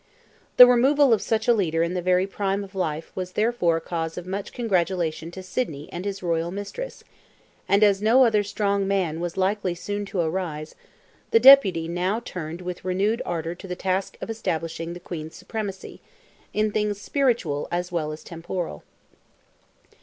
The removal of such a leader in the very prime of life was therefore a cause of much congratulation to Sidney and his royal mistress, and as no other "strong man" was likely soon to arise, the Deputy now turned with renewed ardour to the task of establishing the Queen's supremacy, in things spiritual as well as temporal.